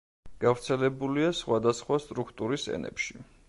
გავრცელებულია სხვადასხვა სტრუქტურის ენებში.